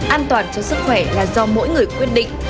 an toàn cho sức khỏe là do mỗi người quyết định